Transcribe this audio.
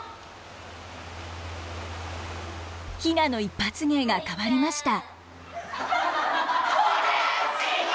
ヒナの一発芸が変わりました。